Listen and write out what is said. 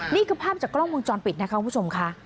นี่คือภาพจากกล้องวงจรปิดนะคะคุณผู้ชมค่ะ